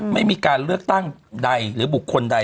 ไม่มีการเลือกตั้งใดหรือบุคคลใด